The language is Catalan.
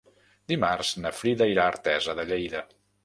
Dimarts na Frida irà a Artesa de Lleida.